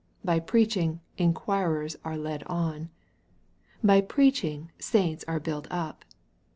By preaching, inquir ers are led on. By preaching, saints are built up.